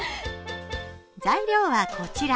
材料はこちら。